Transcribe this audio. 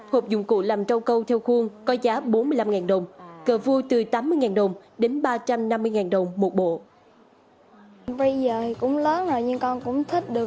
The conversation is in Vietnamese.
hộp dụng cụ làm trâu câu theo khuôn có giá bốn mươi năm đồng